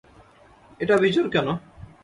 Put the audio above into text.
এটা বিজোড় কেন?